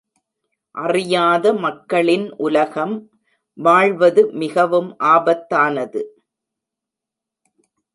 அறியாத மக்களின் உலகம் வாழ்வது மிகவும் ஆபத்தானது.